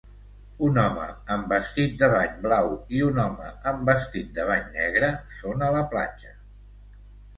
Un home amb vestit de bany blau i un home amb vestit de bany negre són a la platja.